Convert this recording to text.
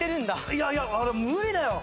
いやいや無理だよ。